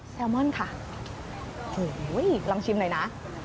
ลมอนค่ะโอ้โหลองชิมหน่อยนะ